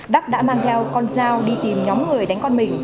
đắc đã mang theo con dao đi tìm nhóm người đánh con mình